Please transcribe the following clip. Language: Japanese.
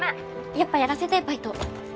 やっぱやらせてバイト。